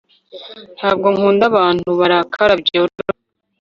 ntabwo nkunda abantu barakara byoroshye